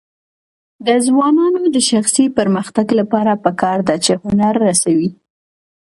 د ځوانانو د شخصي پرمختګ لپاره پکار ده چې هنر رسوي.